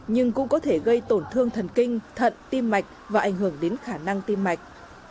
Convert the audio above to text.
nhưng cũng có thể gây tổn thương thần kinh thận tim mạch và ảnh hưởng đến khả năng tim mạch